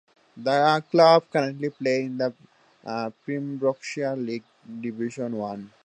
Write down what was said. The club currently play in the Pembrokeshire League Division One.